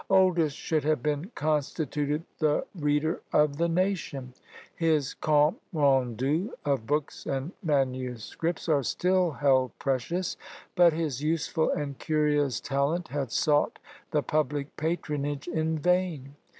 Oldys should have been constituted the reader for the nation. His Comptes Rendus of books and manuscripts are still held precious; but his useful and curious talent had sought the public patronage in vain!